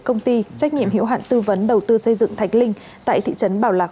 công ty trách nhiệm hiệu hạn tư vấn đầu tư xây dựng thạch linh tại thị trấn bảo lạc